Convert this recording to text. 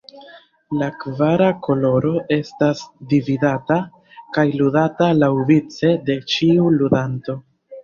La kvara koloro estas dividata, kaj ludata laŭvice de ĉiu ludanto.